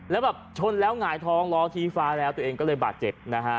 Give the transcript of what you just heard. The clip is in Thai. แล้วแบบชนแล้วหงายท้องล้อชี้ฟ้าแล้วตัวเองก็เลยบาดเจ็บนะฮะ